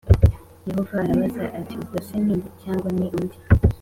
yehova arabaza ati ubwo se ni jye cyangwa ni undi